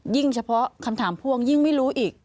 เฉพาะคำถามพ่วงยิ่งไม่รู้อีก